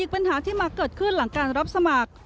ปัญหาที่มาเกิดขึ้นหลังการรับสมัคร